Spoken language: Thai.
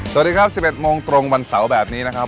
สวัสดีครับ๑๑โมงตรงวันเสาร์แบบนี้นะครับ